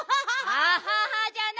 アハハじゃない！